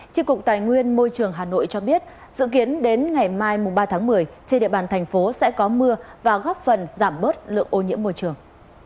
tri cục tài nguyên môi trường hà nội cho biết dự kiến đến ngày mai ba tháng một mươi trên địa bàn thành phố sẽ có mưa và góp phần giảm bớt lượng ô nhiễm môi trường